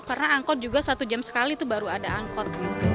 karena angkot juga satu jam sekali tuh baru ada angkot